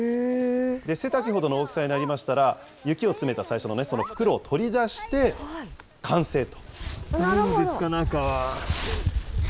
背丈ほどの大きさになりましたら、雪を詰めた最初のその袋を取り出して、完成と。